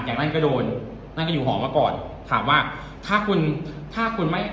นั่นก็โดนนั่นก็อยู่หอมาก่อนถามว่าถ้าคุณถ้าคุณไม่